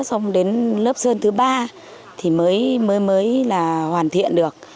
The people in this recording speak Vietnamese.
xong đến lớp sơn thứ ba thì mới mới là hoàn thiện được